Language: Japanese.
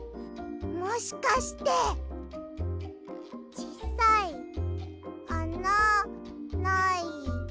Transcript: もしかしてちっさいあなない。